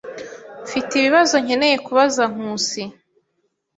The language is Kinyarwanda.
Mfite ibibazo nkeneye kubaza Nkusi.